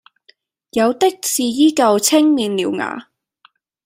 有的是仍舊青面獠牙，